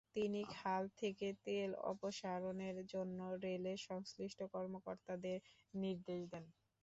তিনি খাল থেকে তেল অপসারণের জন্য রেলের সংশ্লিষ্ট কর্মকর্তাদের নির্দেশ দেন।